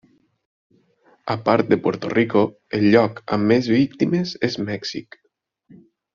A part de Puerto Rico el lloc amb més víctimes és Mèxic.